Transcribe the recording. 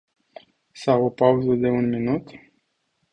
Sau o pauză de un minut?